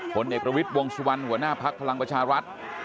ผลเอกประวิทย์วงสุวรรณหัวหน้าภักดิ์พลังประชารัฐ